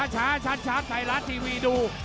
ช้าช้าช้าไทยรัสทีวีดู